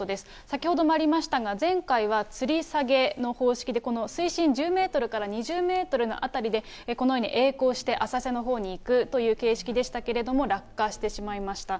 先ほどもありましたが、前回はつり下げの方式で、この水深１０メートルから２０メートルの辺りで、このようにえい航して、浅瀬のほうに行くという形式でしたけれども、落下してしまいました。